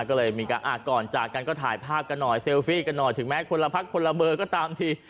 ก็เลยมีการก่อนจากกันก็ถ่ายภาพกันหน่อยเซลฟี่กันหน่อยถึงแม้คนละพักคนละเบอร์ก็ตามที